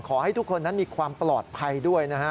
ขอให้ทุกคนนั้นมีความปลอดภัยด้วยนะฮะ